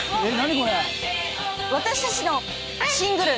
私たちのシングル。